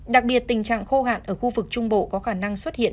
đặc biệt tình trạng khô hạn ở khu vực trung bộ có khả năng xuất hiện